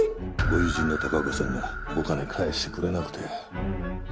ご友人の高岡さんがお金返してくれなくて。